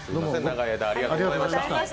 長い間ありがとうございました。